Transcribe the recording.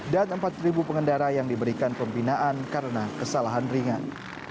dan empat pengendara yang diberikan pembinaan karena kesalahan ringan